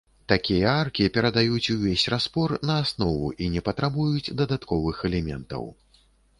Такія аркі перадаюць увесь распор на аснову і не патрабуюць дадатковых элементаў.